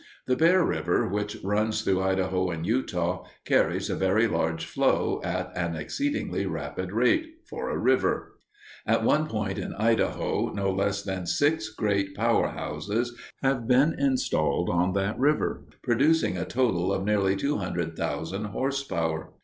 The Bear River, which runs through Idaho and Utah, carries a very large flow at an exceedingly rapid rate for a river. At one point in Idaho no less than six great power houses have been installed on that river, producing a total of nearly 200,000 horse power.